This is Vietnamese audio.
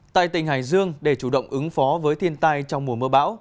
tại tỉnh hải dương để chủ động ứng phó với thiên tai trong mùa mưa bão